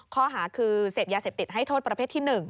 ข้อหาคือเสพยาเสพติดให้โทษประเภทที่๑